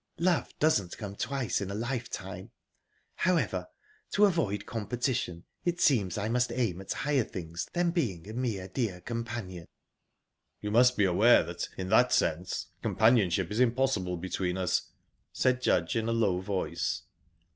Love doesn't come twice in a lifetime...However, to avoid competition, it seems I must aim at higher things than being a mere dear companion." "You must be aware that, in that sense, companionship is impossible between us," said Judge, in a low voice.